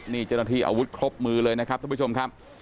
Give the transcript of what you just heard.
นี่เจ้าหน้าที่อาวุธครบมือเลยนะครับท่านผู้ชมครับ